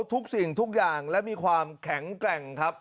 ทุกสิ่งทุกอย่างและมีความแข็งแกร่งครับ